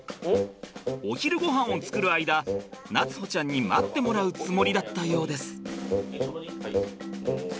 お昼ごはんを作る間夏歩ちゃんに待ってもらうつもりだったようです。